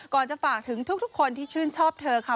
จะฝากถึงทุกคนที่ชื่นชอบเธอค่ะ